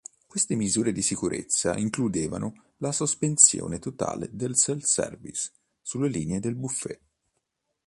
Queste misure di sicurezza includevano la sospensione totale del self-service sulle linee del buffet.